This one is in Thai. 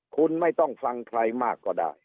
คุณไม่ต้องฟังใครมากก็ได้